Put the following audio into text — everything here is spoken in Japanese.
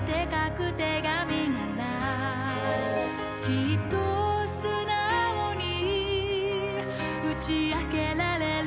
「きっと素直に打ち明けられるだろう」